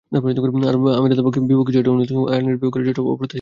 আরব আমিরাতের বিপক্ষে জয়টা অনুমিতই ছিল, আয়ারল্যান্ডের বিপক্ষে জয়টাও অপ্রত্যাশিত নয়।